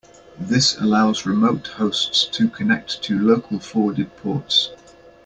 This allows remote hosts to connect to local forwarded ports.